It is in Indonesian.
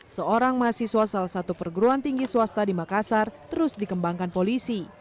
seorang mahasiswa salah satu perguruan tinggi swasta di makassar terus dikembangkan polisi